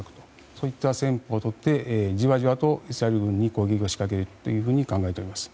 そういった戦法をとってじわじわとイスラエル軍に攻撃を仕掛けると考えております。